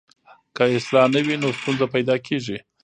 که اصلاح نه وي نو ستونزه پیدا کېږي.